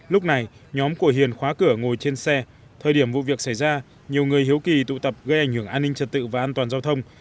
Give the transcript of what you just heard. lúc này nhóm của hiền khóa cửa ngồi trên xe thời điểm vụ việc xảy ra nhiều người hiếu kỳ tụ tập gây ảnh hưởng an ninh trật tự và an toàn giao thông